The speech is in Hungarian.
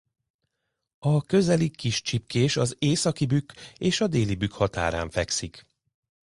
A közeli Kis-Csipkés az Északi-Bükk és a Déli-Bükk határán fekszik.